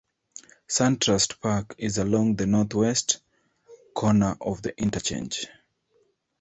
Suntrust Park is along the northwest corner of the interchange.